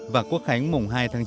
và quốc khánh mùng hai tháng chín